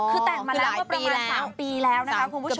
คือแต่งมาแล้วเมื่อประมาณสามปีแล้วนะคะคุณผู้ชม